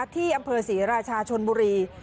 ที่อำเภอศรีราชาชนบุรี